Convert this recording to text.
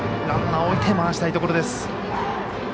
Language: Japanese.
ランナー置いて回したいところです。